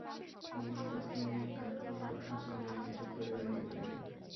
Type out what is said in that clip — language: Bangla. নবীন ত্রস্ত হয়ে কাঠগড়ার আসামির মতো চুপ করে দাঁড়িয়ে রইল।